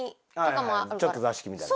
ちょっと座敷みたいな。